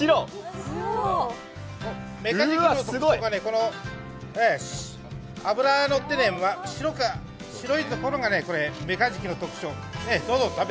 すごい。メカジキの特徴は、脂が乗ってね白いところがメカジキの特徴。